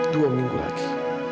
dua minggu lagi